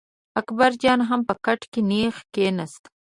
اکبر جان هم په کټ کې نېغ کېناست.